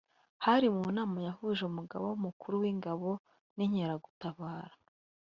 Hari mu nama yahuje Umugaba mukuru w’Ingabo n’inkeragutabara